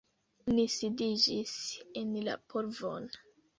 Ni sidiĝis en la polvon.